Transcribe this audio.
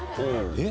えっ？